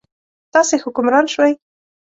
تاسې حکمران شوئ.